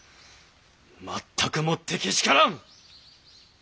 まったくもってけしからん！